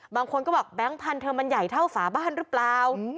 บางคนก็บอกแบงค์พันธุ์มันใหญ่เท่าฝาบ้านหรือเปล่า